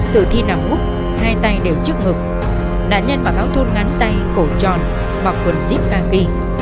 tử thi nằm úp hai tay đều trước ngực nạn nhân bằng áo thun ngắn tay cổ tròn bọc quần zip ca kỳ